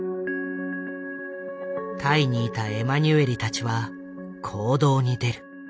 タイにいたエマニュエリたちは行動に出る。